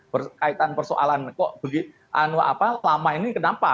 berkaitan persoalan kok begitu lama ini kenapa